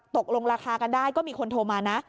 ตกลงราคากันได้ก็มีคนโทรมานะ